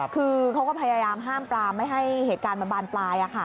คือเขาก็พยายามห้ามปลามไม่ให้เหตุการณ์มันบานปลาย